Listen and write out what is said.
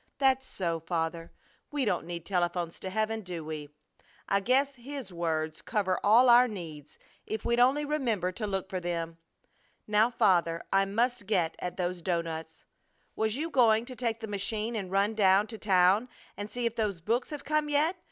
"That's so, Father! We don't need telephones to heaven, do we? I guess His words cover all our needs if we'd only remember to look for them. Now, Father, I must get at those doughnuts! Was you going to take the machine and run down to town and see if those books have come yet?